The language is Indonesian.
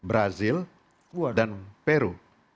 brazil dan peru